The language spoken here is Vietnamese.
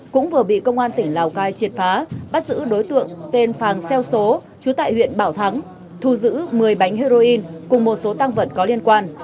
cũng vừa bị công an tỉnh lào cai triệt phá bắt giữ đối tượng tên phàng xeo xố trú tại huyện bảo thắng thu giữ một mươi bánh heroin cùng một số tăng vật có liên quan